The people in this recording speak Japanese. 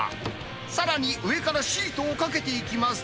さらに、上からシートをかけていきます。